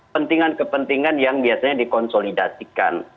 pentingan kepentingan yang biasanya dikonsolidasikan